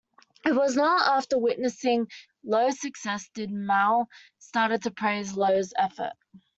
It was not after witnessing Luo's success did Mao started to praise Luo's effort.